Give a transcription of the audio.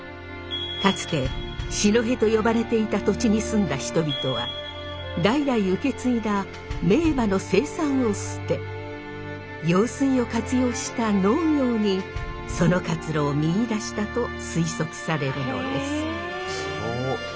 かつて四戸と呼ばれていた土地に住んだ人々は代々受け継いだ名馬の生産を捨て用水を活用した農業にその活路を見いだしたと推測されるのです。